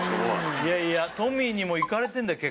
いやいやトミーにもいかれてんだよ